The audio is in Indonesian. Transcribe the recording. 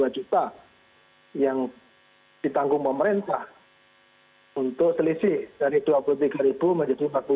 satu ratus tiga puluh dua juta yang ditanggung pemerintah untuk selisih dari dua puluh tiga ribu menjadi empat puluh dua ribu